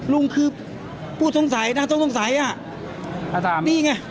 ลุงคือผู้สงสัยน่าต้องสงสัยอ่ะนี่ไง